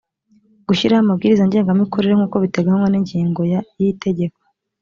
gushyiraho amabwiriza ngengamikorere nk’uko biteganywa n’ingingo ya… y’itegeko